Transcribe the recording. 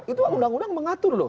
itu undang undang mengatur loh